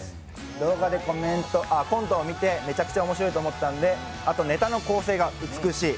動画でコントを見てめちゃくちゃ面白いと思ったんであと、ネタの構成が美しい。